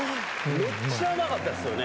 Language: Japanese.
めっちゃうまかったっすよ。